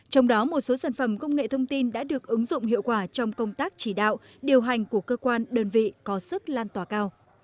trong đó một số sản phẩm công nghệ thông tin đã được ứng dụng hiệu quả trong công tác chỉ đạo điều hành của cơ quan đơn vị có sức lan tỏa cao